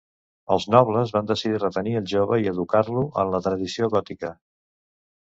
Els nobles van decidir retenir el jove i educar-lo en la tradició gòtica.